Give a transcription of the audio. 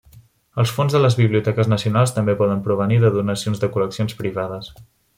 Els fons de les Biblioteques nacionals també poden provenir de donacions de col·leccions privades.